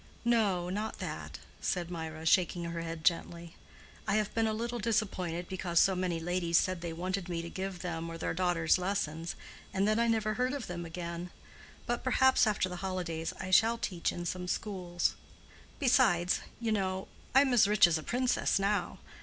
"No, not that," said Mirah, shaking her head gently. "I have been a little disappointed because so many ladies said they wanted me to give them or their daughters lessons, and then I never heard of them again, But perhaps after the holidays I shall teach in some schools. Besides, you know, I am as rich as a princess now.